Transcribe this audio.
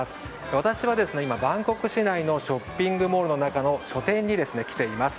私は今バンコク市内のショッピングモールの中の書店に来ています。